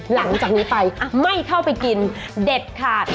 หลังจากนี้ไปไม่เข้าไปกินเด็ดขาด